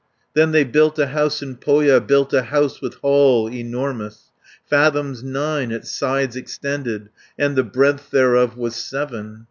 Then they built a house in Pohja, Built a house with hall enormous, 120 Fathoms nine its sides extended, And the breadth thereof was seven.